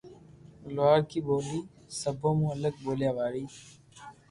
لوھارڪي ٻولي سبو مون الگ ٻوليا واري